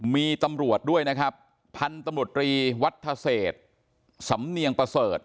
มีตำรวจด้วยนะครับพันธุ์ตำรวจรีวัฒเศษสำเนียงประเสริฐ